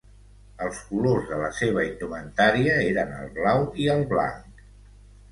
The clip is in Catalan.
Els colors de la seva indumentària eren el blau i el blanc.